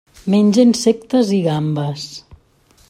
Menja insectes i gambes.